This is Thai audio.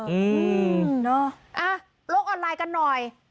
อืมเนอะโลกออนไลน์กันหน่อย